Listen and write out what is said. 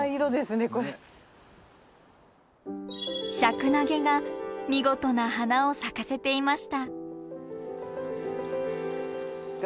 石楠花が見事な花を咲かせていました。